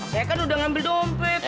saya kan udah ngambil dompet